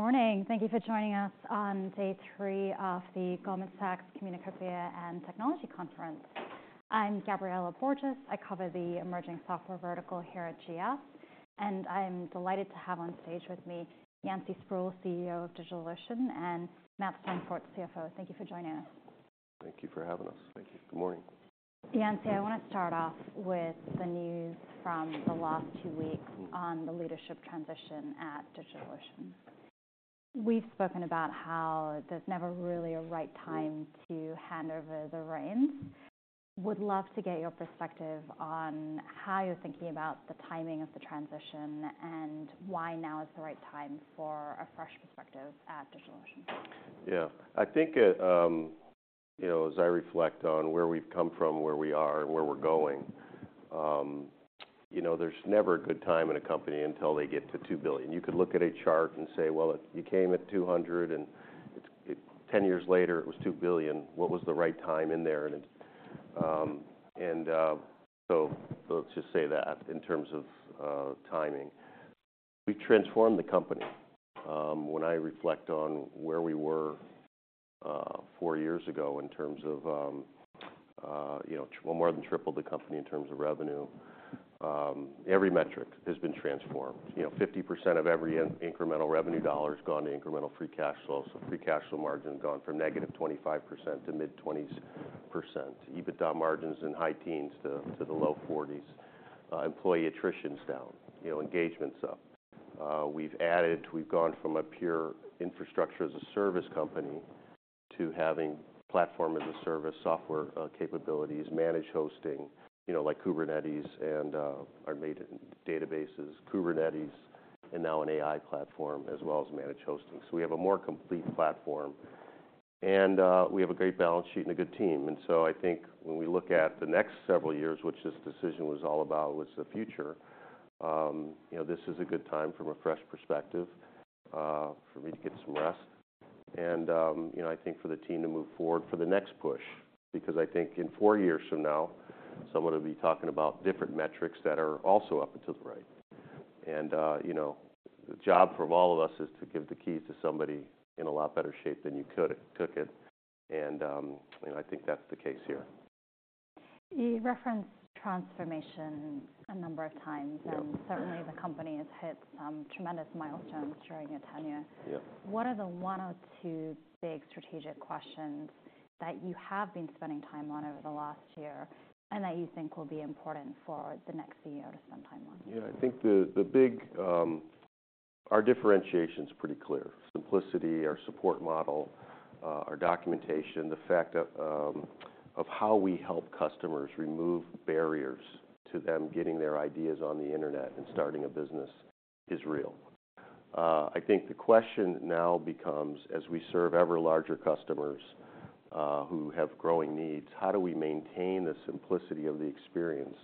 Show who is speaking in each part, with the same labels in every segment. Speaker 1: Good morning. Thank you for joining us on day three of the Goldman Sachs Communicopia and Technology Conference. I'm Gabriela Borges. I cover the emerging software vertical here at GS, and I'm delighted to have on stage with me, Yancey Spruill, CEO of DigitalOcean, and Matt Steinfort, CFO. Thank you for joining us.
Speaker 2: Thank you for having us. Thank you. Good morning.
Speaker 1: Yancey, I want to start off with the news from the last two weeks on the leadership transition at DigitalOcean. We've spoken about how there's never really a right time to hand over the reins. Would love to get your perspective on how you're thinking about the timing of the transition, and why now is the right time for a fresh perspective at DigitalOcean?
Speaker 2: Yeah. I think, you know, as I reflect on where we've come from, where we are, and where we're going, you know, there's never a good time in a company until they get to $2 billion. You could look at a chart and say, "Well, it became at $200, and it ten years later, it was $2 billion. What was the right time in there?" So let's just say that in terms of timing. We transformed the company. When I reflect on where we were four years ago in terms of you know... We more than tripled the company in terms of revenue. Every metric has been transformed. You know, 50% of every incremental revenue dollar has gone to incremental free cash flow. So free cash flow margin has gone from -25% to mid-20%s. EBITDA margins in high teens to the low 40%s. Employee attrition's down, you know, engagement's up. We've gone from a pure infrastructure-as-a-service company to having platform-as-a-service, software capabilities, managed hosting, you know, like Kubernetes and our native databases, Kubernetes, and now an AI platform, as well as managed hosting. So we have a more complete platform, and we have a great balance sheet and a good team. And so I think when we look at the next several years, which this decision was all about, was the future, you know, this is a good time from a fresh perspective, for me to get some rest and, you know, I think for the team to move forward for the next push, because I think in four years from now, someone will be talking about different metrics that are also up and to the right. And, you know, the job from all of us is to give the keys to somebody in a lot better shape than you could took it, and, you know, I think that's the case here.
Speaker 1: You referenced transformation a number of times certainly, the company has hit some tremendous milestones during your tenure.
Speaker 2: Yeah.
Speaker 1: What are the one or two big strategic questions that you have been spending time on over the last year, and that you think will be important for the next CEO to spend time on?
Speaker 2: Yeah. I think the, the big... Our differentiation is pretty clear. Simplicity, our support model, our documentation, the fact of, of how we help customers remove barriers to them getting their ideas on the internet and starting a business is real. I think the question now becomes, as we serve ever larger customers, who have growing needs, how do we maintain the simplicity of the experience,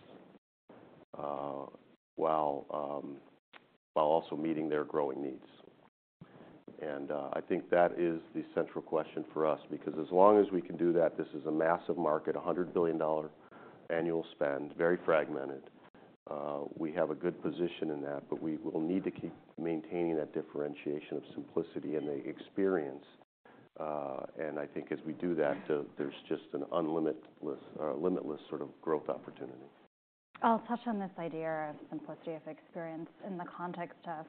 Speaker 2: while, while also meeting their growing needs? And, I think that is the central question for us, because as long as we can do that, this is a massive market, a $100 billion annual spend, very fragmented. We have a good position in that, but we will need to keep maintaining that differentiation of simplicity and the experience. I think as we do that, there's just a limitless sort of growth opportunity.
Speaker 1: I'll touch on this idea of simplicity of experience in the context of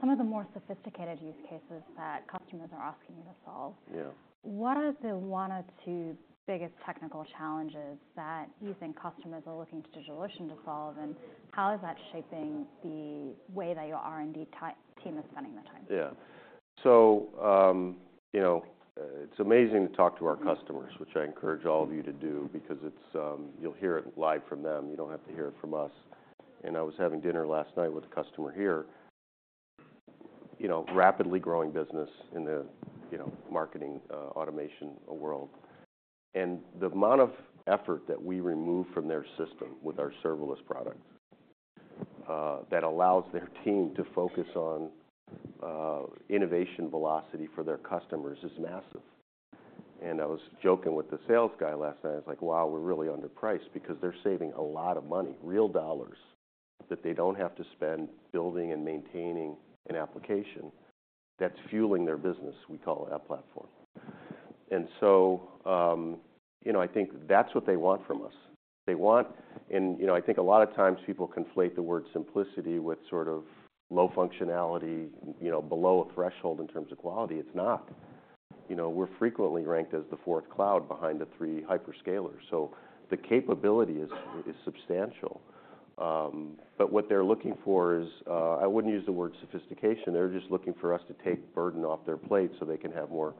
Speaker 1: some of the more sophisticated use cases that customers are asking you to solve.
Speaker 2: Yeah.
Speaker 1: What are the one or two biggest technical challenges that you think customers are looking to DigitalOcean to solve, and how is that shaping the way that your R&D team is spending their time?
Speaker 2: Yeah. So, you know, it's amazing to talk to our customers, which I encourage all of you to do, because it's... You'll hear it live from them. You don't have to hear it from us. And I was having dinner last night with a customer here, you know, rapidly growing business in the, you know, marketing automation world. And the amount of effort that we remove from their system with our serverless products that allows their team to focus on innovation velocity for their customers is massive. And I was joking with the sales guy last night. I was like, "Wow, we're really underpriced," because they're saving a lot of money, real dollars, that they don't have to spend building and maintaining an application that's fueling their business. We call it our platform. And so, you know, I think that's what they want from us. They want... And, you know, I think a lot of times people conflate the word simplicity with sort of low functionality, you know, below a threshold in terms of quality. It's not. You know, we're frequently ranked as the fourth cloud behind the three hyperscalers, so the capability is, is substantial. But what they're looking for is, I wouldn't use the word sophistication. They're just looking for us to take burden off their plate so they can have more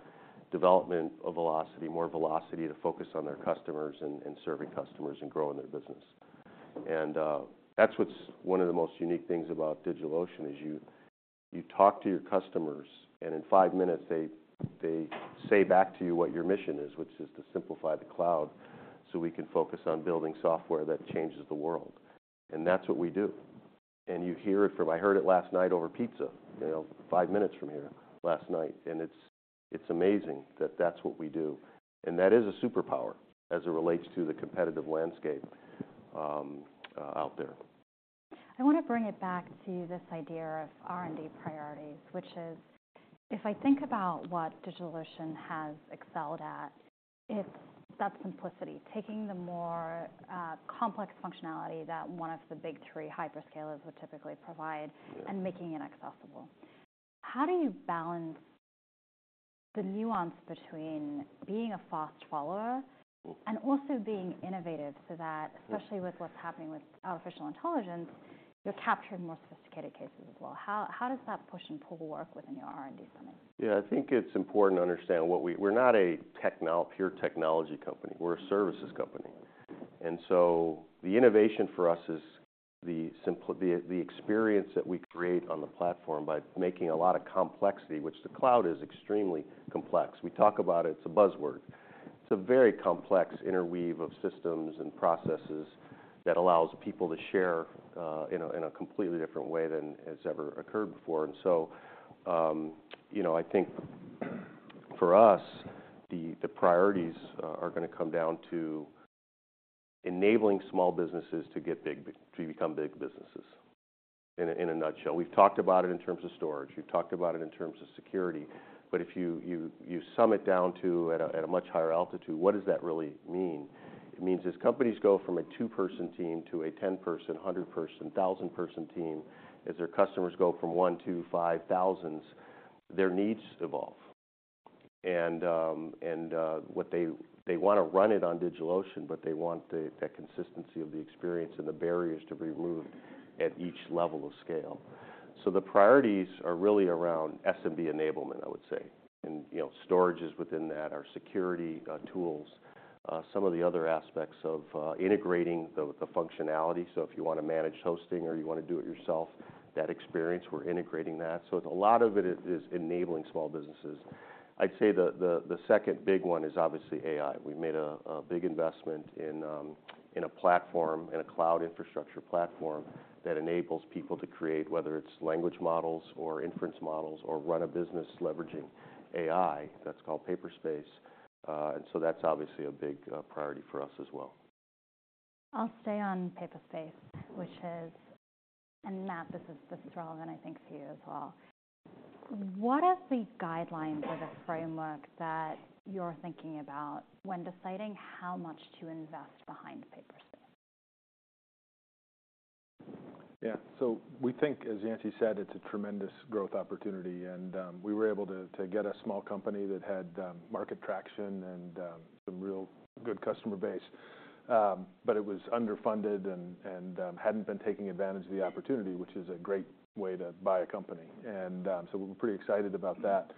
Speaker 2: development of velocity, more velocity to focus on their customers and, and serving customers and growing their business. And, that's what's one of the most unique things about DigitalOcean, is you talk to your customers, and in five minutes, they say back to you what your mission is, which is to simplify the cloud, so we can focus on building software that changes the world. And that's what we do. And you hear it from... I heard it last night over pizza, you know, five minutes from here last night, and it's amazing that that's what we do. And that is a superpower as it relates to the competitive landscape out there.
Speaker 1: I want to bring it back to this idea of R&D priorities, which is, if I think about what DigitalOcean has excelled at, it's that simplicity, taking the more, complex functionality that one of the big three hyperscalers would typically provide and making it accessible. How do you balance the nuance between being a fast follower and also being innovative so that, especially with what's happening with artificial intelligence, you're capturing more sophisticated cases as well? How, how does that push and pull work within your R&D funding?
Speaker 2: Yeah, I think it's important to understand what we're not a pure technology company, we're a services company. And so the innovation for us is the simplicity, the experience that we create on the platform by making a lot of complexity, which the cloud is extremely complex. We talk about it, it's a buzzword. It's a very complex interweave of systems and processes that allows people to share in a completely different way than has ever occurred before. And so, you know, I think for us, the priorities are going to come down to enabling small businesses to get big, to become big businesses, in a nutshell. We've talked about it in terms of storage, we've talked about it in terms of security, but if you zoom out to a much higher altitude, what does that really mean? It means as companies go from a two-person team to a 10-person, 100-person, 1,000-person team, as their customers go from one to 5,000, their needs evolve. And what they want to run it on DigitalOcean, but they want that consistency of the experience and the barriers to be removed at each level of scale. So the priorities are really around SMB enablement, I would say. And, you know, storage is within that, our security tools, some of the other aspects of integrating the functionality. So if you want to manage hosting or you want to do it yourself, that experience, we're integrating that. So a lot of it is enabling small businesses. I'd say the second big one is obviously AI. We made a big investment in a platform, in a cloud infrastructure platform that enables people to create, whether it's language models or inference models, or run a business leveraging AI. That's called Paperspace. And so that's obviously a big priority for us as well.
Speaker 1: I'll stay on Paperspace, which is... Matt, this is, this is relevant, I think, for you as well. What are the guidelines or the framework that you're thinking about when deciding how much to invest behind Paperspace?
Speaker 3: Yeah. So we think, as Yancey said, it's a tremendous growth opportunity, and we were able to get a small company that had market traction and some real good customer base. But it was underfunded and hadn't been taking advantage of the opportunity, which is a great way to buy a company. And so we're pretty excited about that.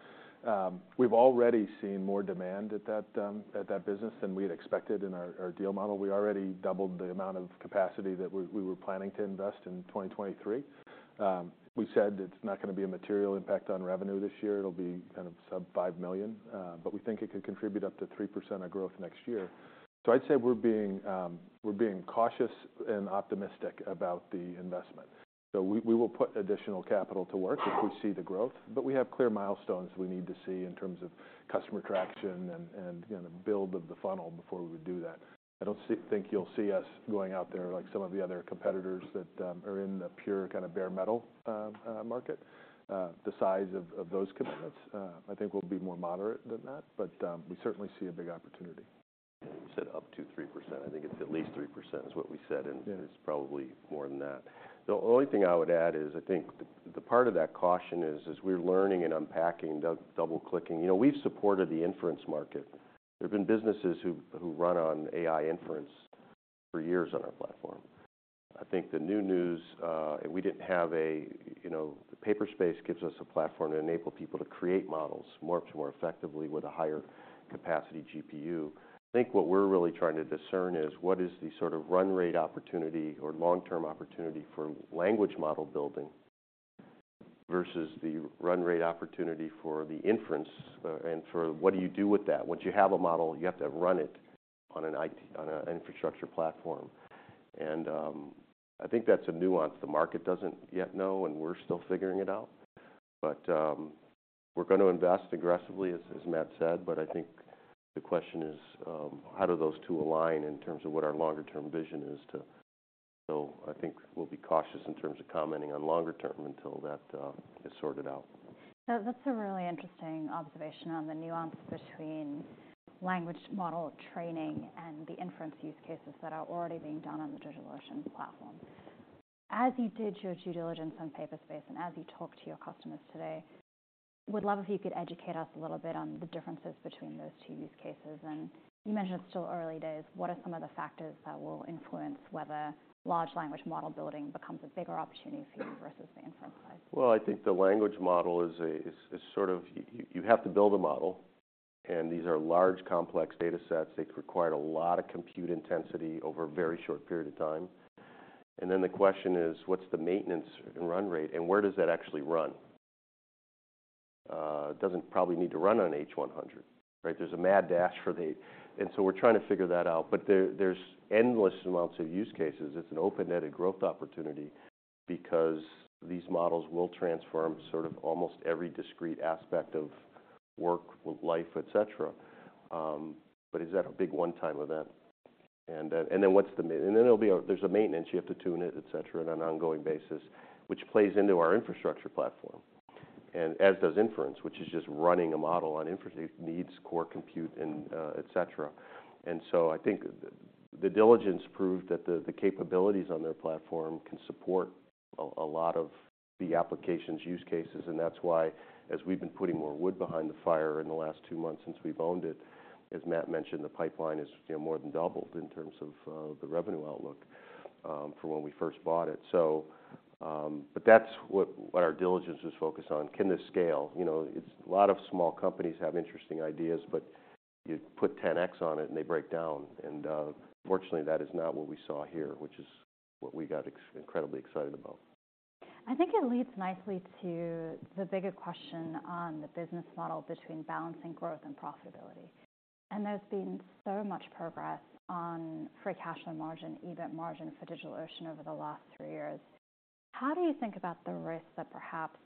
Speaker 3: We've already seen more demand at that business than we had expected in our deal model. We already doubled the amount of capacity that we were planning to invest in 2023. We said it's not going to be a material impact on revenue this year. It'll be kind of sub $5 million, but we think it could contribute up to 3% of growth next year. So I'd say we're being cautious and optimistic about the investment. So we will put additional capital to work if we see the growth, but we have clear milestones we need to see in terms of customer traction and, you know, the build of the funnel before we would do that. I don't think you'll see us going out there like some of the other competitors that are in the pure kind of bare metal market, the size of those commitments. I think we'll be more moderate than that, but we certainly see a big opportunity.
Speaker 2: You said up to 3%. I think it's at least 3%, is what we said.
Speaker 3: Yeah.
Speaker 2: And it's probably more than that. The only thing I would add is, I think the part of that caution is, as we're learning and unpacking, double-clicking, you know, we've supported the inference market. There have been businesses who run on AI inference for years on our platform. I think the new news, and we didn't have a, you know, Paperspace gives us a platform to enable people to create models much more effectively with a higher capacity GPU. I think what we're really trying to discern is, what is the sort of run rate opportunity or long-term opportunity for language model building versus the run rate opportunity for the inference, and for what do you do with that? Once you have a model, you have to run it on an infrastructure platform. And, I think that's a nuance the market doesn't yet know, and we're still figuring it out. But, we're going to invest aggressively, as Matt said, but I think the question is, how do those two align in terms of what our longer term vision is to... So I think we'll be cautious in terms of commenting on longer term until that, is sorted out.
Speaker 1: So that's a really interesting observation on the nuance between language model training and the inference use cases that are already being done on the DigitalOcean platform. As you did your due diligence on Paperspace, and as you talk to your customers today, would love if you could educate us a little bit on the differences between those two use cases? And you mentioned it's still early days. What are some of the factors that will influence whether large language model building becomes a bigger opportunity for you versus the inference side?
Speaker 2: Well, I think the language model is sort of... You have to build a model, and these are large, complex data sets that require a lot of compute intensity over a very short period of time. And then the question is, what's the maintenance and run rate, and where does that actually run? It doesn't probably need to run on H100, right? There's a mad dash for the... So we're trying to figure that out, but there's endless amounts of use cases. It's an open-ended growth opportunity because these models will transform sort of almost every discrete aspect of work with life, et cetera. But is that a big one-time event? And then what's the main-- And then there'll be a-- there's a maintenance. You have to tune it, et cetera, on an ongoing basis, which plays into our infrastructure platform. And as does inference, which is just running a model on infrastructure, needs core compute and, et cetera. And so I think the diligence proved that the capabilities on their platform can support a lot of the applications use cases, and that's why as we've been putting more wood behind the fire in the last two months since we've owned it, as Matt mentioned, the pipeline has, you know, more than doubled in terms of the revenue outlook from when we first bought it. So, but that's what our diligence is focused on. Can this scale? You know, it's a lot of small companies have interesting ideas, but you put 10x on it, and they break down, and, fortunately, that is not what we saw here, which is what we got incredibly excited about.
Speaker 1: I think it leads nicely to the bigger question on the business model between balancing growth and profitability. There's been so much progress on free cash flow margin, EBIT margin for DigitalOcean over the last three years. How do you think about the risks that perhaps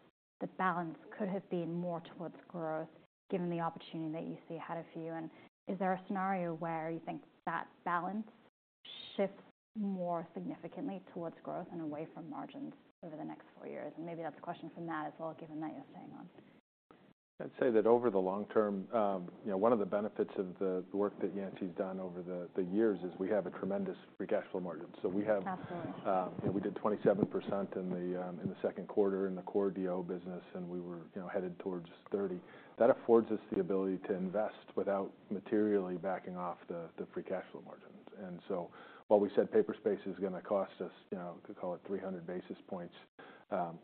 Speaker 1: the balance could have been more towards growth, given the opportunity that you see ahead of you? And is there a scenario where you think that balance shifts more significantly towards growth and away from margins over the next four years? And maybe that's a question for Matt as well, given that you're staying on.
Speaker 3: I'd say that over the long term, you know, one of the benefits of the work that Yancey's done over the years is we have a tremendous free cash flow margin.
Speaker 1: Absolutely.
Speaker 3: So we have, we did 27% in the, in the second quarter in the core DO business, and we were, you know, headed towards 30%. That affords us the ability to invest without materially backing off the free cash flow margins. And so while we said Paperspace is gonna cost us, you know, call it 300 basis points,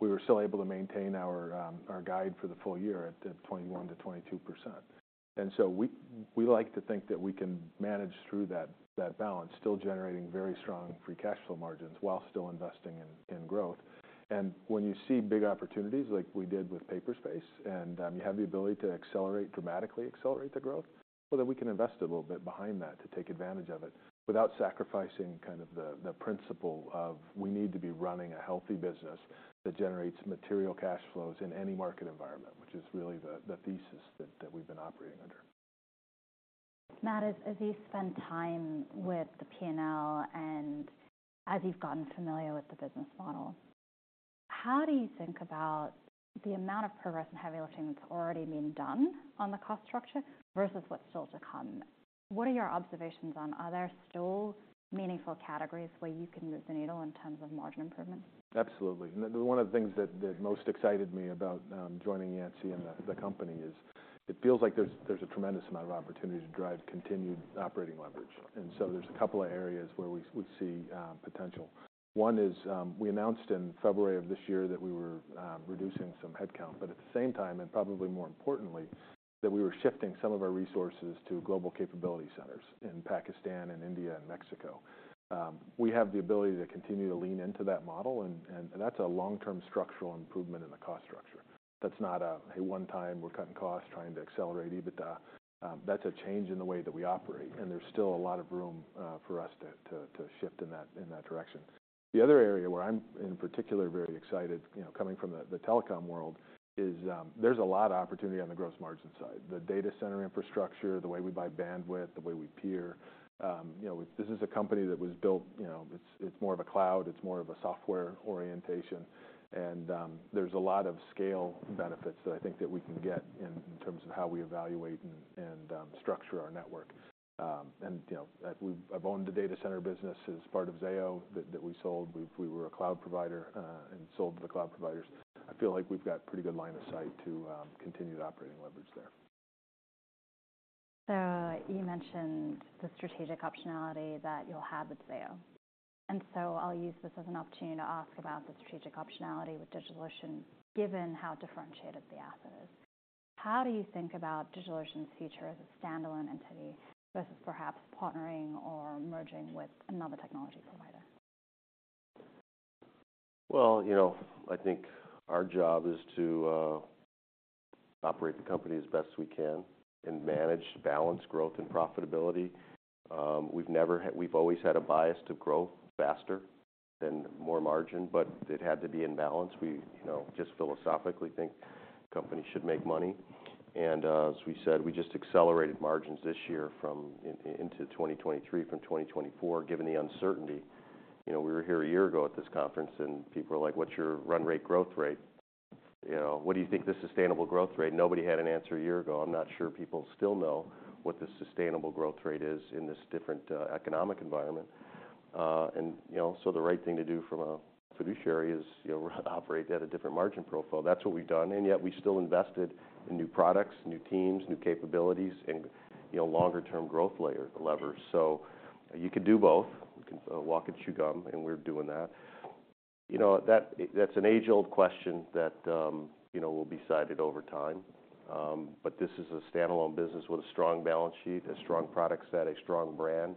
Speaker 3: we were still able to maintain our guide for the full year at 21%-22%. And so we like to think that we can manage through that balance, still generating very strong free cash flow margins while still investing in growth. When you see big opportunities like we did with Paperspace, and you have the ability to accelerate, dramatically accelerate the growth, so that we can invest a little bit behind that to take advantage of it without sacrificing kind of the, the principle of we need to be running a healthy business that generates material cash flows in any market environment, which is really the, the thesis that, that we've been operating under.
Speaker 1: Matt, as you've spent time with the P&L and as you've gotten familiar with the business model, how do you think about the amount of progress and heavy lifting that's already been done on the cost structure versus what's still to come? What are your observations on? Are there still meaningful categories where you can move the needle in terms of margin improvement?
Speaker 3: Absolutely. One of the things that most excited me about joining Yancey and the company is it feels like there's a tremendous amount of opportunity to drive continued operating leverage. And so there's a couple of areas where we would see potential. One is, we announced in February of this year that we were reducing some headcount, but at the same time, and probably more importantly, that we were shifting some of our resources to global capability centers in Pakistan and India and Mexico. We have the ability to continue to lean into that model, and that's a long-term structural improvement in the cost structure. That's not a one-time, we're cutting costs, trying to accelerate EBITDA. That's a change in the way that we operate, and there's still a lot of room for us to shift in that direction. The other area where I'm in particular very excited, you know, coming from the telecom world, is there's a lot of opportunity on the gross margin side. The data center infrastructure, the way we buy bandwidth, the way we peer. You know, this is a company that was built. You know, it's more of a cloud, it's more of a software orientation. And there's a lot of scale benefits that I think that we can get in terms of how we evaluate and structure our network. And you know, I've owned a data center business as part of Zayo that we sold. We were a cloud provider and sold to the cloud providers. I feel like we've got pretty good line of sight to continue the operating leverage there.
Speaker 1: So you mentioned the strategic optionality that you'll have with Zayo, and so I'll use this as an opportunity to ask about the strategic optionality with DigitalOcean, given how differentiated the asset is. How do you think about DigitalOcean's future as a standalone entity versus perhaps partnering or merging with another technology provider?
Speaker 2: Well, you know, I think our job is to operate the company as best we can and manage balanced growth and profitability. We've always had a bias to grow faster than more margin, but it had to be in balance. We, you know, just philosophically think companies should make money. And, as we said, we just accelerated margins this year from into 2023 from 2024, given the uncertainty. You know, we were here a year ago at this conference, and people were like: What's your run rate growth rate? You know, what do you think the sustainable growth rate? Nobody had an answer a year ago. I'm not sure people still know what the sustainable growth rate is in this different economic environment. And, you know, so the right thing to do from a fiduciary is, you know, operate at a different margin profile. That's what we've done, and yet we still invested in new products, new teams, new capabilities, and, you know, longer-term growth layer, levers. So you could do both. We can walk and chew gum, and we're doing that. You know, that, that's an age-old question that, you know, will be decided over time. But this is a standalone business with a strong balance sheet, a strong product set, a strong brand,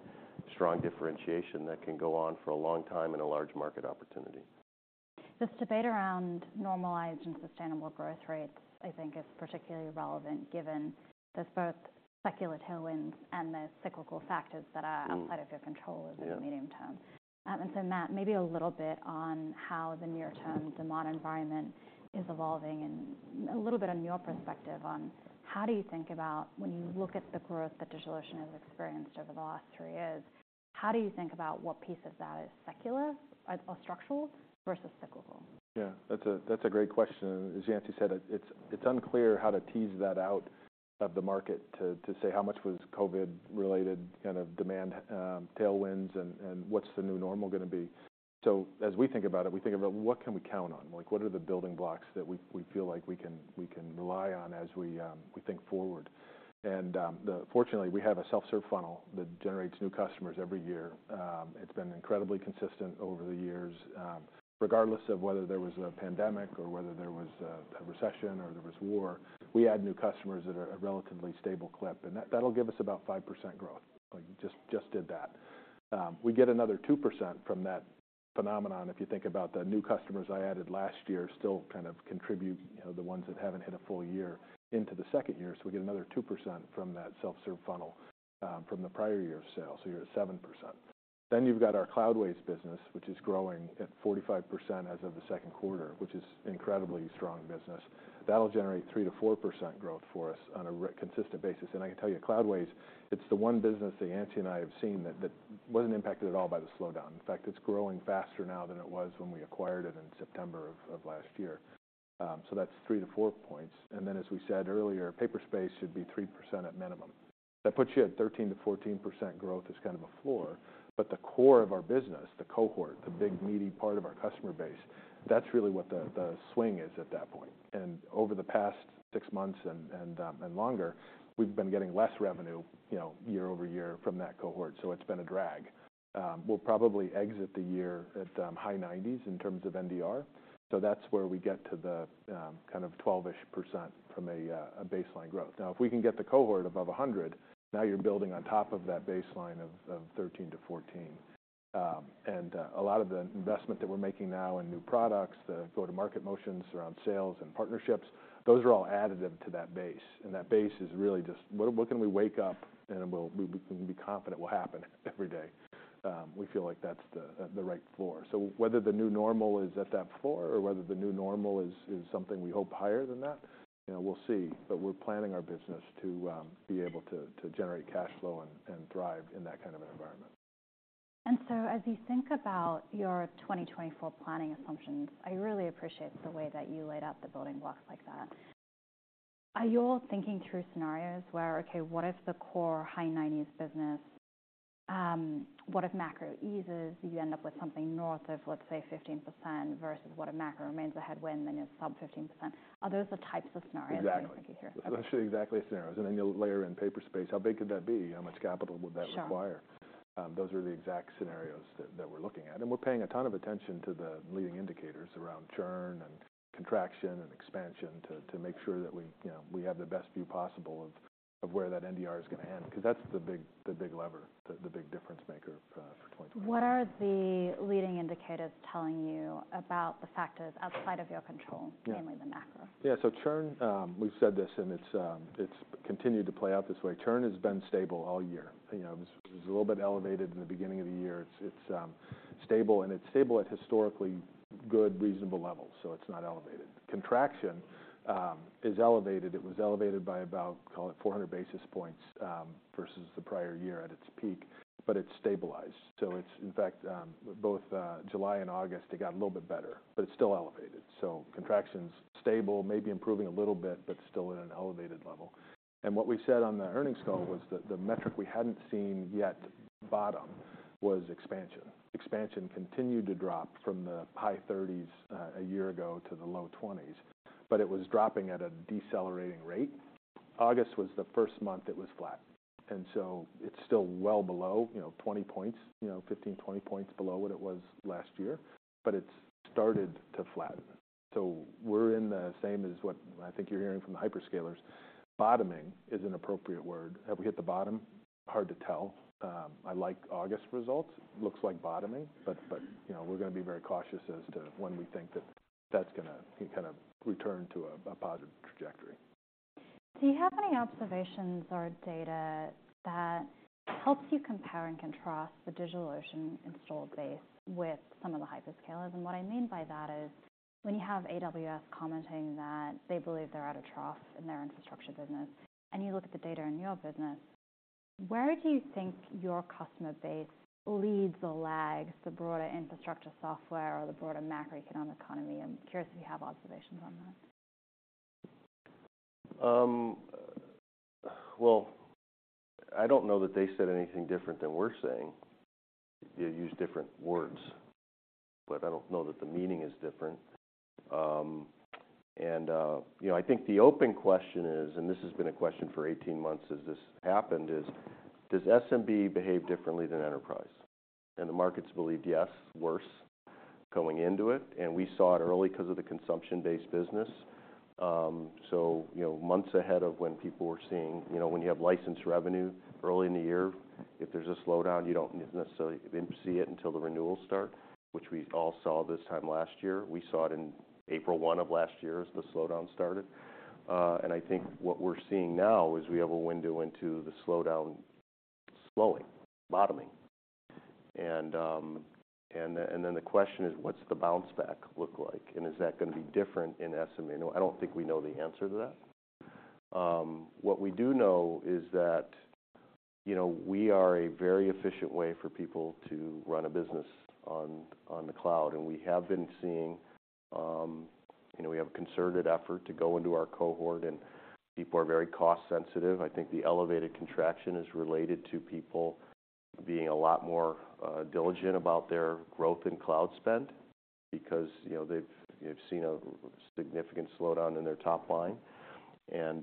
Speaker 2: strong differentiation that can go on for a long time, and a large market opportunity.
Speaker 1: This debate around normalized and sustainable growth rates, I think, is particularly relevant given... There's both secular tailwinds and the cyclical factors that are outside of your control --
Speaker 3: Yeah...
Speaker 1: in the medium term. And so, Matt, maybe a little bit on how the near term, the modern environment is evolving, and a little bit on your perspective on how do you think about when you look at the growth that DigitalOcean has experienced over the last three years, how do you think about what piece of that is secular or structural versus cyclical?
Speaker 3: Yeah, that's a great question, and as Yancey said, it's unclear how to tease that out of the market to say how much was COVID-related kind of demand, tailwinds and what's the new normal gonna be? So as we think about it, we think about what can we count on? Like, what are the building blocks that we feel like we can rely on as we think forward. And, fortunately, we have a self-serve funnel that generates new customers every year. It's been incredibly consistent over the years. Regardless of whether there was a pandemic or whether there was a recession or there was war, we add new customers at a relatively stable clip, and that'll give us about 5% growth. Like, just did that. We get another 2% from that phenomenon. If you think about the new customers I added last year, still kind of contribute, you know, the ones that haven't hit a full year into the second year. So we get another 2% from that self-serve funnel, from the prior year of sale, so you're at 7%. Then you've got our Cloudways business, which is growing at 45% as of the second quarter, which is incredibly strong business. That'll generate 3%-4% growth for us on a consistent basis. And I can tell you, Cloudways, it's the one business that Yancey and I have seen that wasn't impacted at all by the slowdown. In fact, it's growing faster now than it was when we acquired it in September of last year. So that's three to four points, and then, as we said earlier, Paperspace should be 3% at minimum. That puts you at 13%-14% growth as kind of a floor, but the core of our business, the cohort, the big, meaty part of our customer base, that's really what the swing is at that point. And over the past six months and longer, we've been getting less revenue, you know, year-over-year from that cohort, so it's been a drag. We'll probably exit the year at high 90s in terms of NDR. So that's where we get to the kind of 12-ish% from a baseline growth. Now, if we can get the cohort above 100, now you're building on top of that baseline of 13%-14%. And a lot of the investment that we're making now in new products, the go-to-market motions around sales and partnerships, those are all additive to that base, and that base is really just... What can we wake up and we can be confident will happen every day? We feel like that's the right floor. So whether the new normal is at that floor or whether the new normal is something we hope higher than that, you know, we'll see. But we're planning our business to be able to generate cash flow and thrive in that kind of an environment.
Speaker 1: As you think about your 2024 planning assumptions, I really appreciate the way that you laid out the building blocks like that. Are you all thinking through scenarios where, okay, what if the core high nineties business, what if macro eases, you end up with something north of, let's say, 15%, versus what if macro remains a headwind, then it's sub 15%? Are those the types of scenarios?
Speaker 3: Exactly.
Speaker 1: You're thinking here?
Speaker 3: Those are exactly the scenarios, and then you'll layer in Paperspace. How big could that be? How much capital would that require?
Speaker 1: Sure.
Speaker 3: Those are the exact scenarios that we're looking at, and we're paying a ton of attention to the leading indicators around churn and contraction and expansion, to make sure that we, you know, we have the best view possible of where that NDR is gonna end, 'cause that's the big lever, the big difference maker for 2024.
Speaker 1: What are the leading indicators telling you about the factors outside of your control?
Speaker 3: Yeah.
Speaker 1: Mainly the macro?
Speaker 3: Yeah. So churn, we've said this, and it's continued to play out this way. Churn has been stable all year. You know, it was a little bit elevated in the beginning of the year. It's stable, and it's stable at historically good, reasonable levels, so it's not elevated. Contraction is elevated. It was elevated by about, call it 400 basis points versus the prior year at its peak, but it's stabilized. So it's in fact both July and August, it got a little bit better, but it's still elevated, so contraction's stable, maybe improving a little bit, but still at an elevated level. And what we said on the earnings call was that the metric we hadn't seen yet bottom was expansion. Expansion continued to drop from the high 30 points a year ago to the low 20 points, but it was dropping at a decelerating rate. August was the first month it was flat, and so it's still well below, you know, 20 points, you know, 15 points, 20 points below what it was last year, but it's started to flatten. So we're in the same as what I think you're hearing from the hyperscalers. Bottoming is an appropriate word. Have we hit the bottom? Hard to tell. I like August results. Looks like bottoming, but, but, you know, we're gonna be very cautious as to when we think that that's gonna kind of return to a, a positive trajectory.
Speaker 1: Do you have any observations or data that helps you compare and contrast the DigitalOcean installed base with some of the hyperscalers? And what I mean by that is, when you have AWS commenting that they believe they're at a trough in their infrastructure business, and you look at the data in your business, where do you think your customer base leads or lags the broader infrastructure software or the broader macroeconomic economy? I'm curious if you have observations on that.
Speaker 3: Well, I don't know that they said anything different than we're saying. They use different words, but I don't know that the meaning is different. And, you know, I think the open question is, and this has been a question for 18 months as this happened, is, does SMB behave differently than enterprise? And the markets believed, yes, worse going into it, and we saw it early 'cause of the consumption-based business. So, you know, months ahead of when people were seeing. You know, when you have license revenue early in the year, if there's a slowdown, you don't necessarily see it until the renewals start, which we all saw this time last year. We saw it in April one of last year as the slowdown started. And I think what we're seeing now is we have a window into the slowdown slowing, bottoming. Then the question is: what's the bounce back look like? And is that going to be different in SME? No, I don't think we know the answer to that. What we do know is that, you know, we are a very efficient way for people to run a business on the cloud, and we have been seeing, you know, we have a concerted effort to go into our cohort, and people are very cost sensitive. I think the elevated contraction is related to people being a lot more diligent about their growth in cloud spend because, you know, they've seen a significant slowdown in their top line. And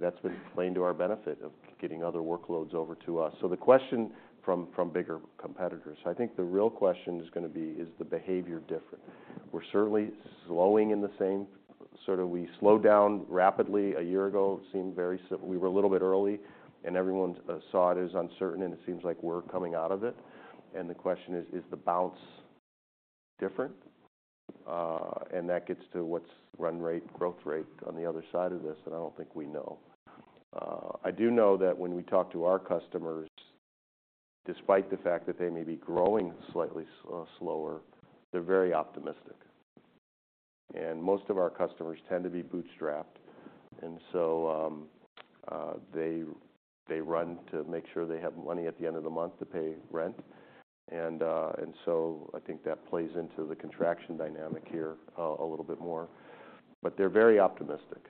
Speaker 3: that's been playing to our benefit of getting other workloads over to us. So the question from bigger competitors, I think the real question is gonna be: Is the behavior different? We're certainly slowing in the same sort of way. We slowed down rapidly a year ago. It seemed very similar. We were a little bit early, and everyone saw it as uncertain, and it seems like we're coming out of it. And the question is: Is the bounce different? And that gets to what's run rate, growth rate on the other side of this, and I don't think we know. I do know that when we talk to our customers, despite the fact that they may be growing slightly slower, they're very optimistic. And most of our customers tend to be bootstrapped, and so they run to make sure they have money at the end of the month to pay rent. And, and so I think that plays into the contraction dynamic here, a little bit more. But they're very optimistic,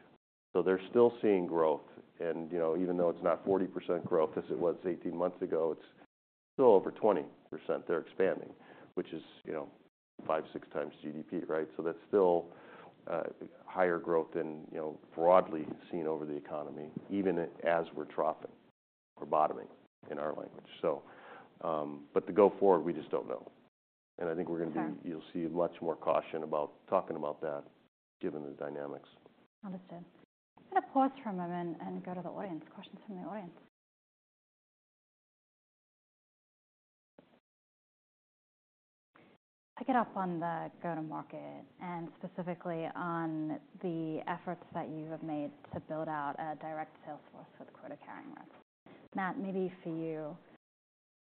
Speaker 3: so they're still seeing growth. And, you know, even though it's not 40% growth as it was 18 months ago, it's still over 20%. They're expanding, which is, you know, 5x, 6x GDP, right? So that's still, higher growth than, you know, broadly seen over the economy, even as we're dropping or bottoming, in our language. So, but to go forward, we just don't know. And I think we're gonna be-
Speaker 1: Okay...
Speaker 3: You'll see much more caution about talking about that, given the dynamics.
Speaker 1: Understood. Let's pause for a moment and go to the audience. Questions from the audience. Pick it up on the go-to-market, and specifically on the efforts that you have made to build out a direct sales force with quota-carrying reps. Matt, maybe for you,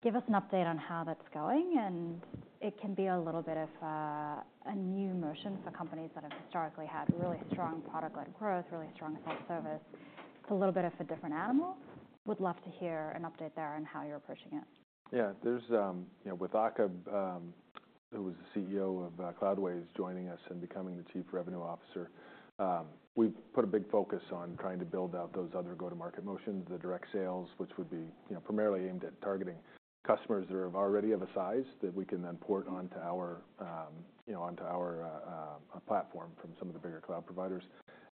Speaker 1: give us an update on how that's going, and it can be a little bit of a, a new motion for companies that have historically had really strong product-led growth, really strong self-service. It's a little bit of a different animal. Would love to hear an update there on how you're approaching it.
Speaker 3: Yeah, there's, you know, with Aaqib, who was the CEO of Cloudways, joining us and becoming the Chief Revenue Officer, we've put a big focus on trying to build out those other go-to-market motions, the direct sales, which would be, you know, primarily aimed at targeting customers that are already of a size that we can then port onto our, you know, onto our, platform from some of the bigger cloud providers.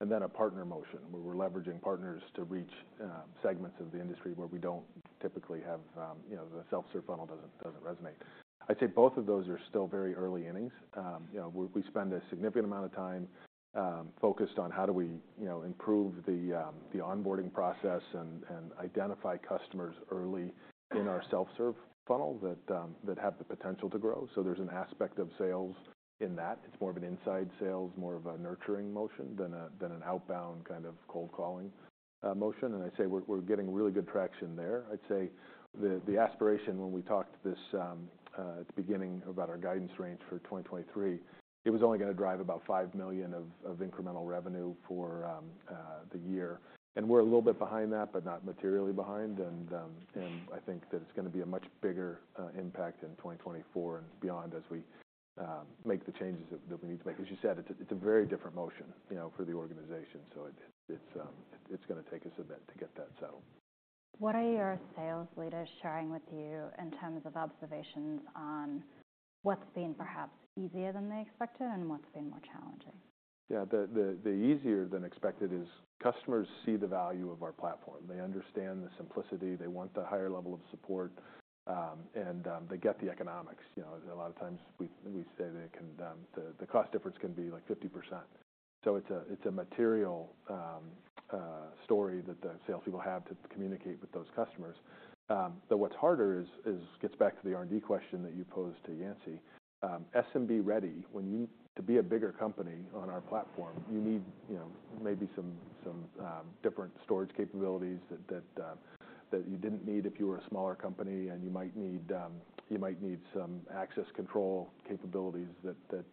Speaker 3: And then a partner motion, where we're leveraging partners to reach, segments of the industry where we don't typically have, you know, the self-serve funnel doesn't resonate. I'd say both of those are still very early innings. You know, we spend a significant amount of time focused on how do we improve the onboarding process and identify customers early in our self-serve funnel that have the potential to grow. So there's an aspect of sales in that. It's more of an inside sales, more of a nurturing motion than an outbound kind of cold calling motion. And I'd say we're getting really good traction there. I'd say the aspiration when we talked this at the beginning about our guidance range for 2023, it was only gonna drive about $5 million of incremental revenue for the year. And we're a little bit behind that, but not materially behind. I think that it's gonna be a much bigger impact in 2024 and beyond as we make the changes that we need to make. As you said, it's a very different motion, you know, for the organization, so it's gonna take us a bit to get that settled.
Speaker 1: What are your sales leaders sharing with you in terms of observations on what's been perhaps easier than they expected and what's been more challenging?
Speaker 3: Yeah, the easier than expected is customers see the value of our platform. They understand the simplicity, they want the higher level of support, and they get the economics. You know, a lot of times we say they can, the cost difference can be, like, 50%. So it's a material story that the sales people have to communicate with those customers. But what's harder is it gets back to the R&D question that you posed to Yancey. SMB-ready, when you, to be a bigger company on our platform, you need, you know, maybe some different storage capabilities that you didn't need if you were a smaller company, and you might need some access control capabilities that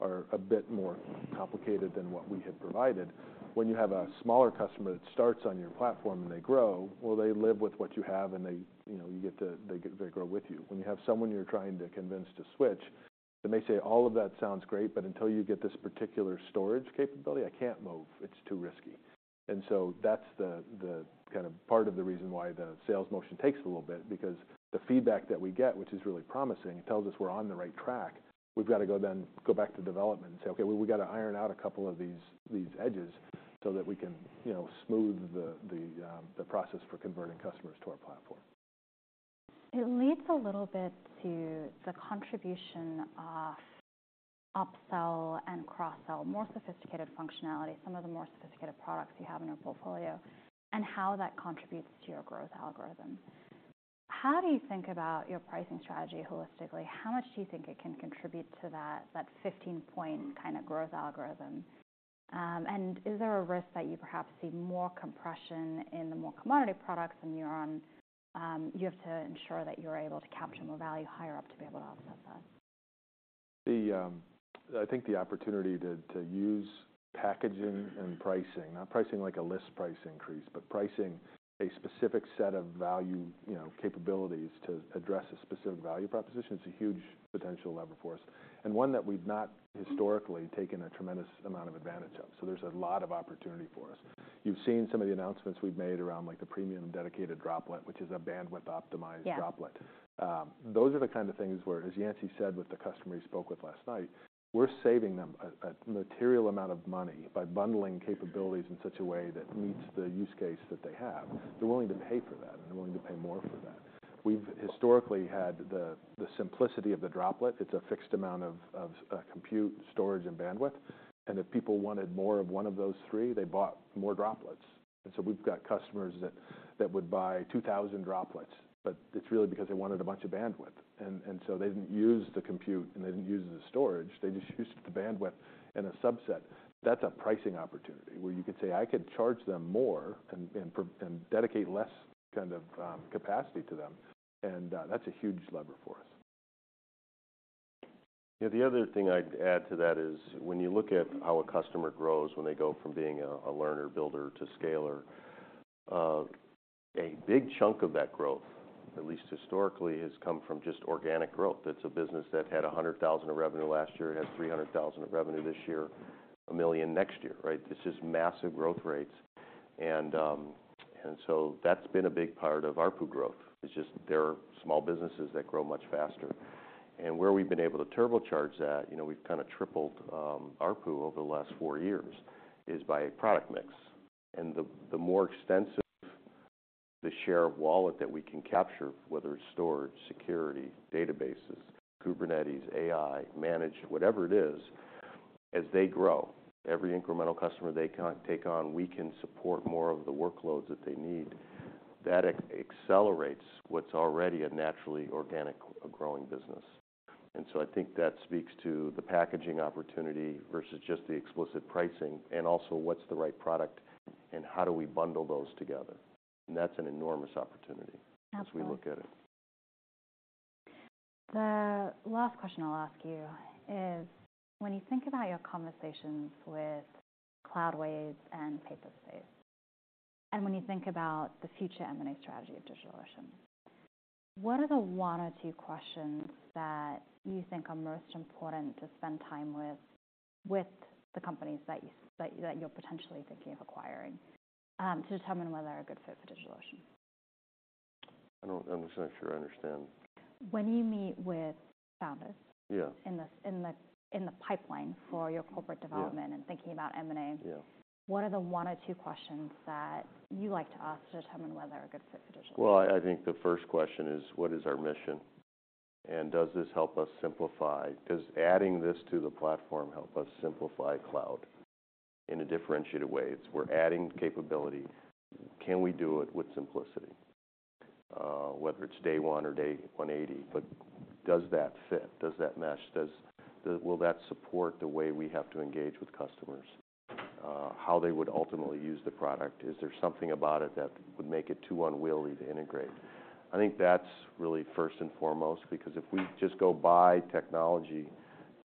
Speaker 3: are a bit more complicated than what we had provided. When you have a smaller customer that starts on your platform and they grow, well, they live with what you have, and they, you know, they grow with you. When you have someone you're trying to convince to switch, they may say: "All of that sounds great, but until you get this particular storage capability, I can't move. It's too risky." And so that's the kind of part of the reason why the sales motion takes a little bit, because the feedback that we get, which is really promising, it tells us we're on the right track. We've got to go then, go back to development and say: Okay, well, we got to iron out a couple of these edges so that we can, you know, smooth the process for converting customers to our platform.
Speaker 1: It leads a little bit to the contribution of upsell and cross-sell, more sophisticated functionality, some of the more sophisticated products you have in your portfolio, and how that contributes to your growth algorithm. How do you think about your pricing strategy holistically? How much do you think it can contribute to that, that 15-point kinda growth algorithm? And is there a risk that you perhaps see more compression in the more commodity products, and you're on, you have to ensure that you're able to capture more value higher up to be able to offset that?
Speaker 3: I think the opportunity to use packaging and pricing, not pricing like a list price increase, but pricing a specific set of value, you know, capabilities to address a specific value proposition, it's a huge potential lever for us, and one that we've not historically taken a tremendous amount of advantage of. So there's a lot of opportunity for us. You've seen some of the announcements we've made around, like, the Premium Dedicated Droplet, which is a bandwidth-optimized Droplet.
Speaker 1: Yeah.
Speaker 3: Those are the kind of things where, as Yancey said, with the customer he spoke with last night, we're saving them a material amount of money by bundling capabilities in such a way that meets the use case that they have. They're willing to pay for that, and they're willing to pay more for that. We've historically had the simplicity of the Droplet. It's a fixed amount of compute, storage, and bandwidth, and if people wanted more of one of those three, they bought more Droplets. And so we've got customers that would buy 2,000 Droplets, but it's really because they wanted a bunch of bandwidth. And so they didn't use the compute, and they didn't use the storage, they just used the bandwidth and a subset. That's a pricing opportunity, where you could say, "I could charge them more and dedicate less kind of capacity to them." That's a huge lever for us.
Speaker 2: Yeah, the other thing I'd add to that is, when you look at how a customer grows when they go from being a learner, builder to scaler, a big chunk of that growth, at least historically, has come from just organic growth. It's a business that had $100,000 of revenue last year, it had $300,000 of revenue this year, $1 million next year, right? It's just massive growth rates. And so that's been a big part of ARPU growth. It's just there are small businesses that grow much faster. And where we've been able to turbocharge that, you know, we've kind of tripled ARPU over the last four years, is by product mix. And the more extensive the share of wallet that we can capture, whether it's storage, security, databases, Kubernetes, AI, managed—whatever it is, as they grow, every incremental customer they can take on, we can support more of the workloads that they need. That accelerates what's already a naturally organic, growing business. And so I think that speaks to the packaging opportunity versus just the explicit pricing, and also what's the right product and how do we bundle those together? And that's an enormous opportunity as we look at it.
Speaker 1: Absolutely. The last question I'll ask you is: when you think about your conversations with Cloudways and Paperspace, and when you think about the future M&A strategy of DigitalOcean, what are the one or two questions that you think are most important to spend time with, with the companies that you're potentially thinking of acquiring, to determine whether they're a good fit for DigitalOcean?
Speaker 3: I don't... I'm just not sure I understand.
Speaker 1: When you meet with founders-
Speaker 3: Yeah....
Speaker 1: in the pipeline for your corporate development-
Speaker 3: Yeah....
Speaker 1: and thinking about M&A?
Speaker 3: Yeah.
Speaker 1: What are the one or two questions that you like to ask to determine whether they're a good fit for DigitalOcean?
Speaker 3: Well, I, I think the first question is, what is our mission? And does this help us simplify. Does adding this to the platform help us simplify cloud in a differentiated way? It's we're adding capability. Can we do it with simplicity? Whether it's day one or day 180, but does that fit? Does that mesh? Will that support the way we have to engage with customers? How they would ultimately use the product, is there something about it that would make it too unwieldy to integrate? I think that's really first and foremost, because if we just go buy technology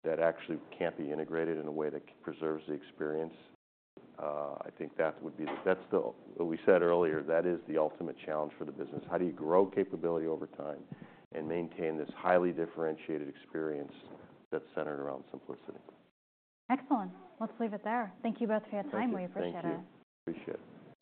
Speaker 3: that actually can't be integrated in a way that preserves the experience, I think that would be that's what we said earlier, that is the ultimate challenge for the business. How do you grow capability over time and maintain this highly differentiated experience that's centered around simplicity?
Speaker 1: Excellent. Let's leave it there. Thank you both for your time.
Speaker 3: Thank you.
Speaker 1: We appreciate it.
Speaker 3: Thank you. Appreciate it.